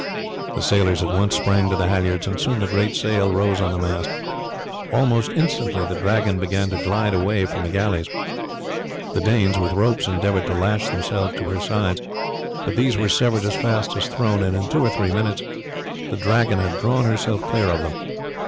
The sailors at once sprang to the halliards, and soon the great sail rose on the mast. Almost instantly the Dragon began to glide away from the galleys. The Danes with ropes endeavoured to lash themselves to her sides, but these were severed as fast as thrown, and in two or three minutes the Dragon had drawn herself clear of them.